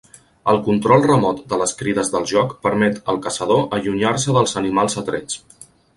El control remot de les crides del joc permet al caçador allunyar-se dels animals atrets.